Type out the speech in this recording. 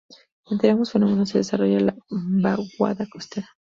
Entre ambos fenómenos se desarrolla la vaguada costera.